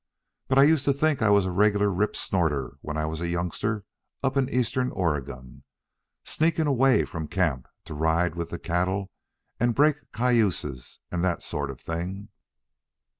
But I used to think I was a regular rip snorter when I was a youngster up in Eastern Oregon, sneaking away from camp to ride with the cattle and break cayuses and that sort of thing."